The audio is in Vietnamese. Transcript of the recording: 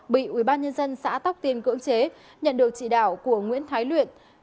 bị ubnd xã tóc tiên cưỡng chế nhận được chỉ đạo của nguyễn thái luyện